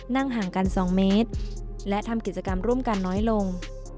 นั่งห่างกัน๒เมตรและทำกิจกรรมร่วมกันน้อยลง